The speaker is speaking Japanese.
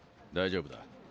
大丈夫だ。